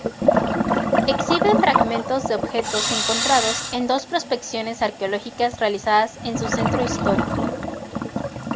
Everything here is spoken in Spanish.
Exhibe fragmentos de objetos encontrados en dos prospecciones arqueológicas realizadas en su centro histórico.